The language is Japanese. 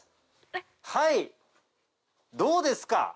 はいどうですか。